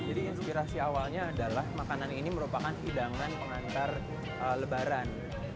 jadi inspirasi awalnya adalah makanan ini merupakan hidangan pengantar lebaran